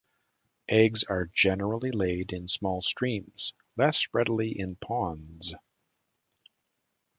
Eggs are generally laid in small streams, less readily in ponds.